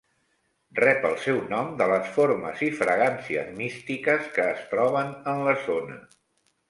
Rep el seu nom de les formes i fragàncies místiques que es troben en la zona.